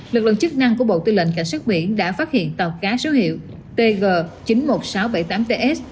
lực lượng chức năng của bộ tư lệnh cảnh sát biển đã phát hiện tàu cá số hiệu tg chín mươi một nghìn sáu trăm bảy mươi tám ts